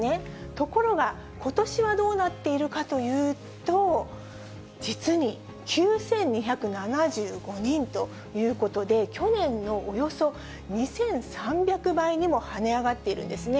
ところが、ことしはどうなっているかというと、実に９２７５人ということで、去年のおよそ２３００倍にもはね上がっているんですね。